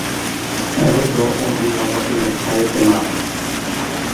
أودّ أن أمضي بقيّة حياتي معك.